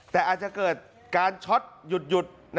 แต่อาจจะเกิดการช็อตหยุด